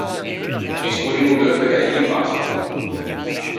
Discorrimmo d’euve che l’é chì Pasqua.